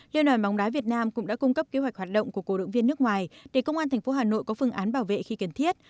liên đoàn bóng đá việt nam cũng đã cung cấp kế hoạch hoạt động của cổ động viên nước ngoài để công an tp hà nội có phương án bảo vệ khi cần thiết